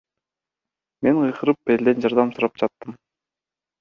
Мен кыйкырып, элден жардам сурап жаттым.